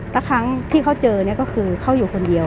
แล้วครั้งที่เขาเจอเนี่ยก็คือเขาอยู่คนเดียว